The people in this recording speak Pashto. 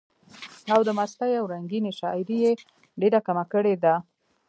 او د مستۍ او رنګينۍ شاعري ئې ډېره کمه کړي ده،